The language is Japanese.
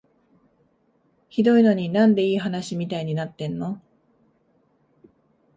ひどいのに、なんでいい話みたいになってんの？